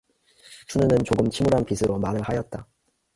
춘우는 조금 침울한 빛으로 말을 하였다.